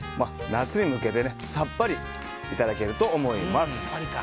夏に向けてさっぱりいただけると思います。